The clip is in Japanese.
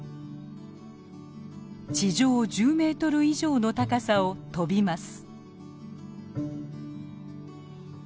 地上１０メートル以上の高さを飛びます。